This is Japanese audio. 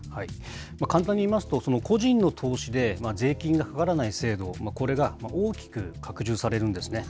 簡単に言いますと、個人の投資で税金がかからない制度、これが大きく拡充されるんですね。